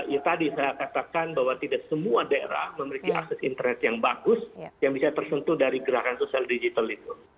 ya tadi saya katakan bahwa tidak semua daerah memiliki akses internet yang bagus yang bisa tersentuh dari gerakan sosial digital itu